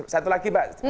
satu lagi mbak